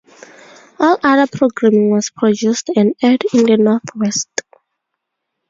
All other programming was produced and aired in the North West.